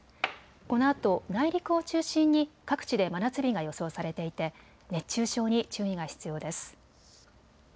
このあと内陸を中心に各地で真夏日が予想されていて熱中症に注意が必要です。